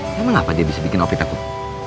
emang kenapa dia bisa bikin opi takut